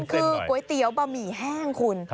คือก๋วยเตี๋ยวบะหมี่แห้งคุณ